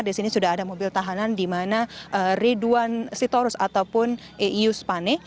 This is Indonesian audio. di sini sudah ada mobil tahanan di mana ridwan sitorus ataupun eius pane